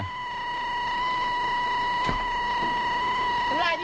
ไม่มาต้นอะไร